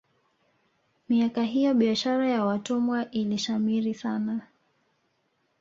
miaka hiyo biashara ya watumwa ilishamiri sana